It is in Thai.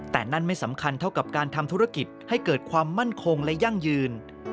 แต่นั่นไม่สำคัญเท่ากับการทำธุรกิจให้เกิดความมั่นคงและยั่งยืน